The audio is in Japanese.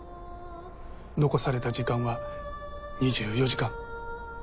残された時間は２４時間。